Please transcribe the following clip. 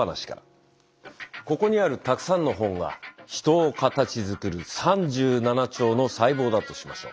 ここにあるたくさんの本が人を形づくる３７兆の細胞だとしましょう。